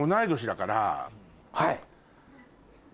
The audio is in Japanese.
はい。